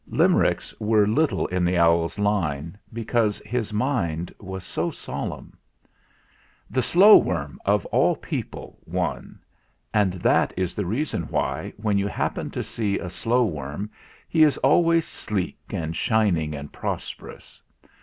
Limericks were little in the owl's line, because his mind was too solemn. The slow worm, of all people, won ; and that is the reason why, when you happen to see a slow worm, he is always sleek and shining and prosperous.